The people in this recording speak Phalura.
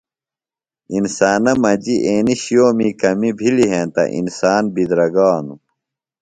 انسانہ مجیۡ اینیۡ شِئومی کمیۡ بِھلیۡ ہینتہ انسان بِدرگانوۡ۔